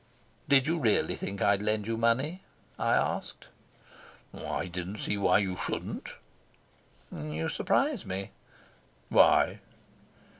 "Did you really think I'd lend you money?" I asked. "I didn't see why you shouldn't." "You surprise me." "Why?"